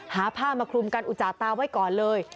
หาผ้ามาคลุมกันอุจจาตาไว้ก่อนเลย